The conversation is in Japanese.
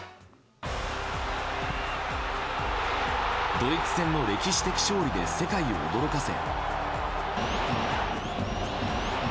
ドイツ戦の歴史的勝利で世界を驚かせ。